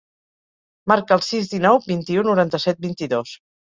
Marca el sis, dinou, vint-i-u, noranta-set, vint-i-dos.